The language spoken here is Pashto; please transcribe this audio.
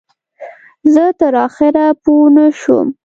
زه تر آخره پوی نه شوم.